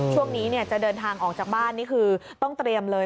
ช่วงนี้จะเดินทางออกจากบ้านนี่คือต้องเตรียมเลย